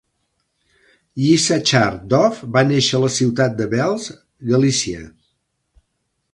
Yissachar Dov va néixer a la ciutat de Belz, Galícia.